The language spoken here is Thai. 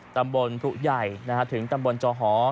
ตำบลพรุใหญ่ถึงตำบลจอหอ